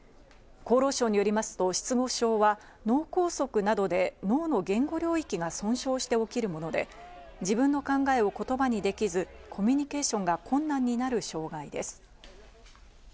厚労省によりますと失語症は脳梗塞などで脳の言語領域が損傷して起きるもので、自分の考えを言葉にできず、コミュニケーションが困難になる障害です。